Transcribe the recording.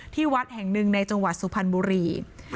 วัดแห่งหนึ่งในจังหวัดสุพรรณบุรี